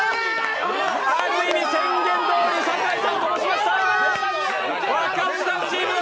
ある意味、宣言どおり酒井さん、こぼしました！